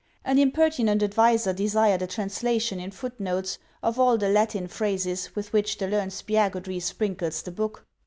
An impertinent adviser desired a translation in foot notes of all the Latin phrases with which the learned Spiagudry sprinkles the book.